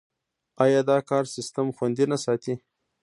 آیا دا کار سیستم خوندي نه ساتي؟